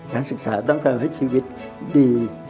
การศึกษาต้องการให้ชีวิตดี